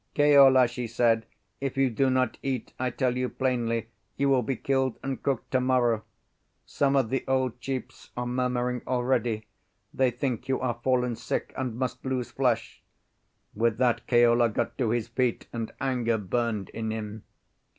"Keola," she said, "if you do not eat, I tell you plainly you will be killed and cooked to morrow. Some of the old chiefs are murmuring already. They think you are fallen sick and must lose flesh." With that Keola got to his feet, and anger burned in him.